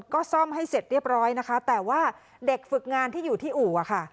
ก็ซ่อมให้เสร็จเรียบร้อยนะคะแต่ว่าเด็กฝึกงานที่อยู่ที่อู่อะค่ะ